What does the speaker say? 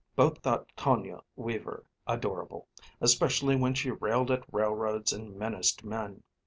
Both thought Tonia Weaver adorable, especially when she railed at railroads and menaced men.